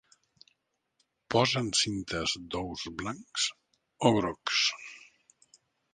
Posen cintes d'ous blancs o grocs.